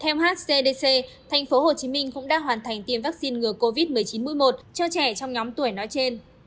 theo hcdc tp hcm cũng đã hoàn thành tiêm vaccine ngừa covid một mươi chín mũi một cho trẻ trong nhóm tuổi nói trên